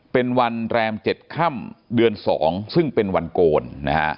เป็นวันแรม๗ค่ำเดือน๒ซึ่งเป็นวันโกนนะฮะ